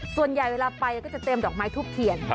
ส่วนใหญ่เวลาไปจะเตรียมดอกไม้ทุกขวี